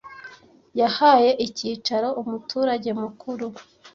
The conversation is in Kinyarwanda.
Yahaye icyicaro umuturage mukuru.